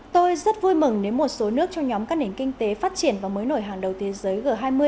tôi rất vui mừng nếu một số nước trong nhóm các nền kinh tế phát triển và mới nổi hàng đầu thế giới g hai mươi